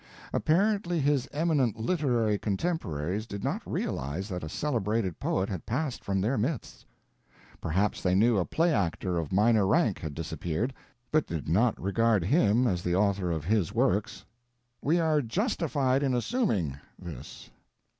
Apparently his eminent literary contemporaries did not realize that a celebrated poet had passed from their midst. Perhaps they knew a play actor of minor rank had disappeared, but did not regard him as the author of his Works. "We are justified in assuming" this.